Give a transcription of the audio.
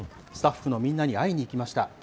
スタッフのみんなに会いに行きました。